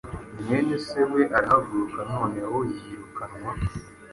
Mwene se we arahaguruka noneho yirukanwa